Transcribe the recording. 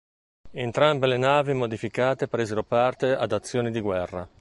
Entrambe le navi modificate presero parte ad azioni di guerra.